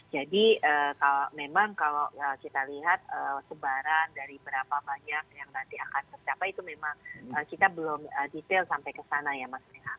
jadi memang kalau kita lihat sumbaran dari berapa banyak yang nanti akan tercapai itu memang kita belum detail sampai kesana ya mas renan